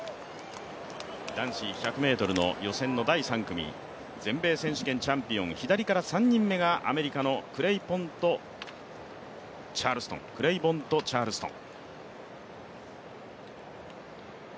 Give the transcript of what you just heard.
男子１００ｍの予選の第３組、全米選手権チャンピオン左から３人目がアメリカのクレイボント・チャールストン。